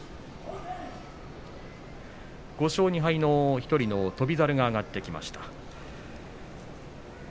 ５勝２敗の１人、翔猿が上がってきました。